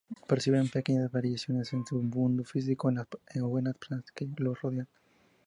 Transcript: Perciben pequeñas variaciones en su mundo físico o en las personas que los rodean.